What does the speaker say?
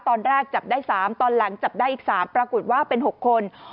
ตอนแรกจับได้๓ตอนหลังจับได้อีก๓ปรากฏว่าเป็น๖คน